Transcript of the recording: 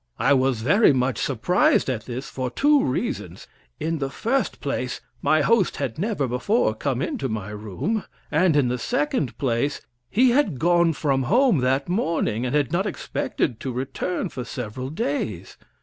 I was very much surprised at this for two reasons. In the first place, my host had never before come into my room; and, in the second place, he had gone from home that morning, and had not expected to return for several days.